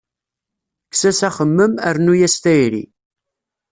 Kkes-as axemmem, rnnu-as tayri.